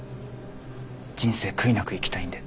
人生悔いなく生きたいんで。